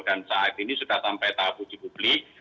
dan saat ini sudah sampai tahap uji publik